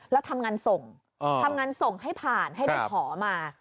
แล้วทำงานส่งทำงานส่งให้ผ่านให้ได้ขอมา